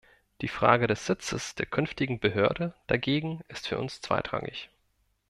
Die Frage des Sitzes der künftigen Behörde dagegen ist für uns zweitrangig.